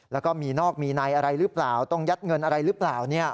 แล้วก็มีนอกมีในอะไรหรือเปล่าต้องยัดเงินอะไรหรือเปล่า